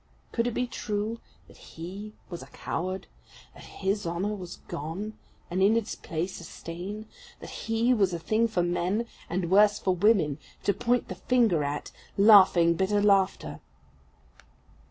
Could it be true that he was a coward? that his honour was gone, and in its place a stain? that he was a thing for men and worse, for women to point the finger at, laughing bitter laughter?